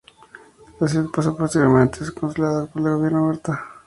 La ciudad pasó posteriormente a ser controlada por el gobierno de Huerta.